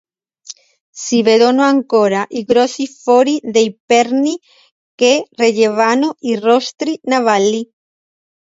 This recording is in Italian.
Si vedono ancora i grossi fori dei perni che reggevano i "rostri" navali.